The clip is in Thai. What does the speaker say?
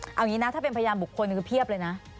เอาอย่างนี้นะถ้าเป็นพยานบุคคลคือเพียบเลยนะ